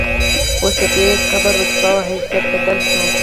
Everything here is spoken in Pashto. اوس ددې قبر رتبه او حیثیت بدل شو.